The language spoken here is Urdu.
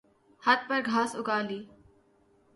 ھت پر گھاس اگا لی